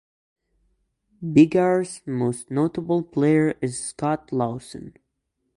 Biggar's most notable player is Scott Lawson.